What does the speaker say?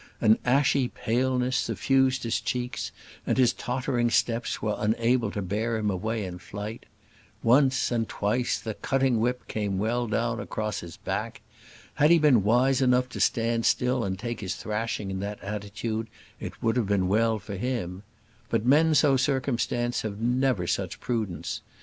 An ashy paleness suffused his cheeks, and his tottering steps were unable to bear him away in flight. Once, and twice, the cutting whip came well down across his back. Had he been wise enough to stand still and take his thrashing in that attitude, it would have been well for him. But men so circumstanced have never such prudence.